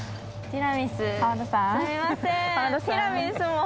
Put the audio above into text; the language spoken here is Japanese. ティラミス。